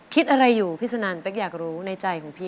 คิดอะไรอยู่พี่สุนันเป๊กอยากรู้ในใจของพี่